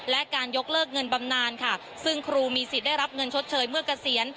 และการยกเลิกเงินบำนานค่ะซึ่งครูมีสิทธิ์ได้รับเงินชดเชยเมื่อเกษียณ